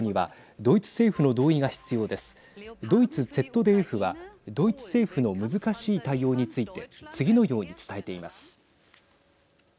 ドイツＺＤＦはドイツ政府の難しい対応について次のように伝えています。